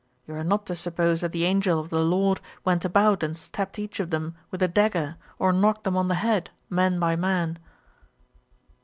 You are not to suppose that the angel of the LORD went about and stabbed each of them with a dagger, or knocked them on the head, man by man.'